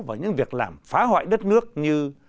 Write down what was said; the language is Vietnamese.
vào những việc làm phá hoại đất nước như